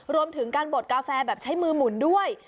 รวมถึงการบดกาแฟแบบใช้มือหมุนด้วย